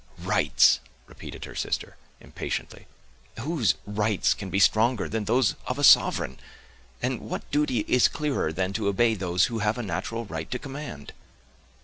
"Rights!" repeated her sister, impatiently; "whose rights can be stronger than those of a sovereign: and what duty is clearer, than to obey those who have a natural right to command?"